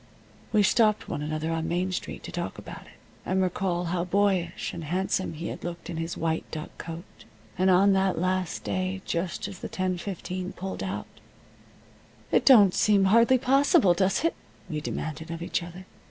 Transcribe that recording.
We stopped one another on Main Street to talk about it, and recall how boyish and handsome he had looked in his white duck coat, and on that last day just as the 10:15 pulled out. "It don't seem hardly possible, does it?" we demanded of each other.